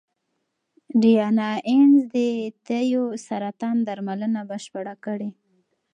ډیانا اینز د تیو سرطان درملنه بشپړه کړې.